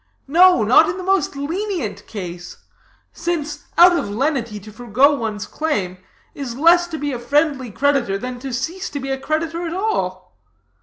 no, not in the most lenient case; since, out of lenity to forego one's claim, is less to be a friendly creditor than to cease to be a creditor at all.